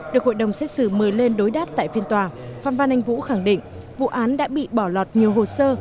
được hội đồng xét xử mời lên đối đáp tại phiên tòa phan văn anh vũ khẳng định vụ án đã bị bỏ lọt nhiều hồ sơ